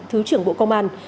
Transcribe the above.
thứ trưởng bộ công an